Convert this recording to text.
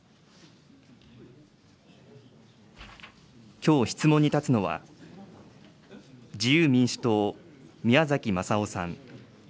きょう質問に立つのは、自由民主党、宮崎雅夫さん。